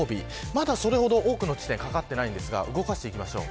まだ、それほど多くの地点にかかっていないですが動かしていきます。